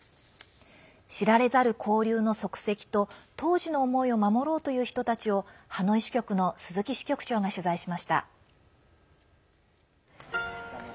知られざる交流の足跡と当時の思いを守ろうという人たちをハノイ支局の鈴木支局長が取材しました。